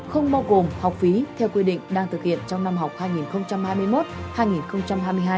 không bao gồm học phí theo quy định đang thực hiện trong năm học hai nghìn hai mươi một hai nghìn hai mươi hai